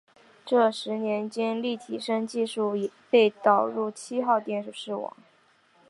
这十年间立体声技术被引入七号电视网。